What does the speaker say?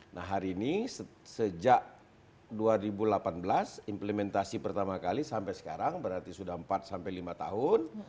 nah hari ini sejak dua ribu delapan belas implementasi pertama kali sampai sekarang berarti sudah empat sampai lima tahun